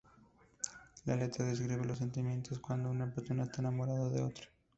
La letra describe los sentimientos cuando una persona está enamorado de otra.